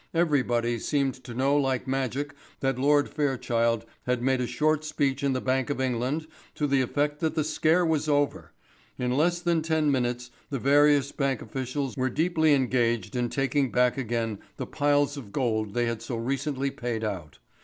Everybody seemed to know like magic that Lord Fairchild had made a short speech in the Bank of England to the effect that the scare was over. In less than ten minutes the various bank officials were deeply engaged in taking back again the piles of gold they had so recently paid out.